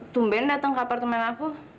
tumben datang ke apartemen aku